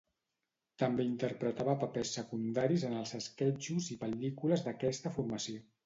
També interpretava papers secundaris en els esquetxos i pel·lícules d'aquesta formació.